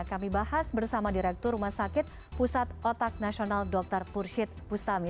kami bahas bersama direktur rumah sakit pusat otak nasional dr purshid bustami